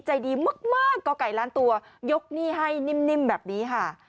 ใจดีมากก่อไก่ล้านตัวยกหนี้ให้นิ่มแบบนี้ค่ะ